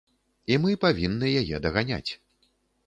І мы павінны яе даганяць.